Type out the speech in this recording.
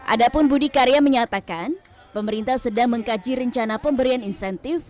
adapun budi karya menyatakan pemerintah sedang mengkaji rencana pemberian insentif